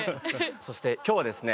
そして今日はですね